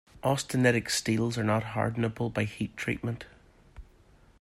Austenitic steels are not hardenable by heat treatment.